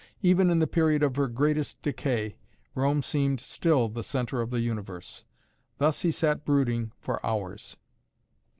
Even in the period of her greatest decay, Rome seemed still the centre of the universe. Thus he sat brooding for hours.